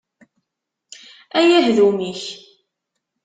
A yahdum-ik!